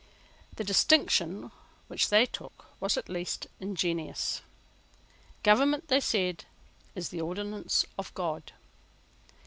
The distinction which they took was, at least, ingenious. Government, they said, is the ordinance of God.